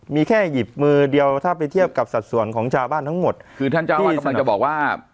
มีแค่หยิบมือเดียวถ้าไปเทียบกับสัดส่วนของชาวบ้านทั้งหมดคือท่านเจ้าที่กำลังจะบอกว่า